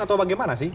atau bagaimana sih